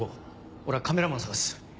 俺はカメラマンを捜す。